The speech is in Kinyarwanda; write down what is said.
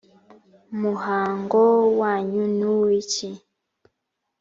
muhango wanyu ni uw iki